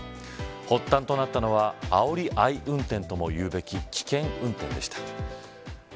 発端となったのはあおり合い運転とも言うべき危険運転でした。